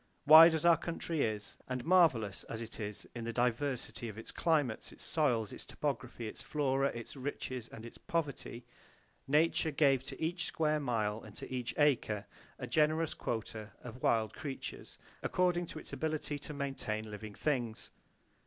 Wide as our country is, and marvelous as it is in the diversity of its climates, its soils, its topography, its flora, its riches and its poverty, Nature gave to each square mile and to each acre a generous quota of wild creatures, according to its ability to maintain living things.